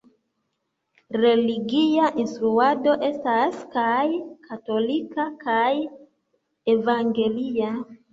Religia instruado estas kaj katolika kaj evangelia.